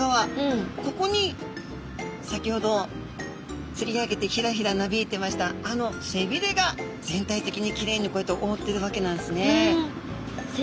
ここに先ほど釣り上げてヒラヒラなびいてましたあの背びれが全体的にきれいにこうやって覆ってるわけなんですね。